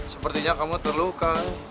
sepertinya kamu terluka